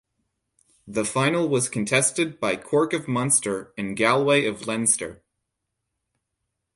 The final was contested by Cork of Munster and Galway of Leinster.